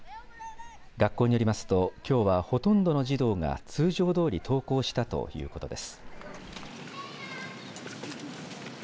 学校によりますときょうはほとんどの児童が通常どおり登校したということです。